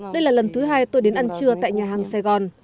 đây là lần thứ hai tôi đến ăn trưa tại nhà hàng sài gòn